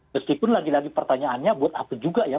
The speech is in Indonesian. meskipun lagi lagi pertanyaannya buat apa juga ya